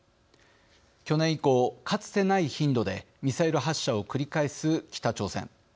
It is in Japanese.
去年以降、かつてない頻度でミサイル発射を繰り返す北朝鮮。